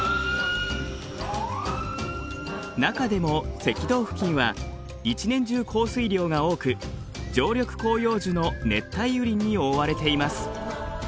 中でも赤道付近は一年中降水量が多く常緑広葉樹の熱帯雨林に覆われています。